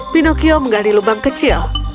pinocchio menggali lubang kecil